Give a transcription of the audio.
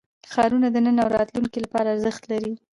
ښارونه د نن او راتلونکي لپاره ارزښت لري.